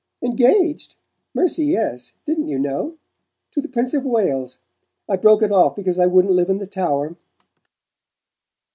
"Engaged? Mercy, yes! Didn't you know? To the Prince of Wales. I broke it off because I wouldn't live in the Tower."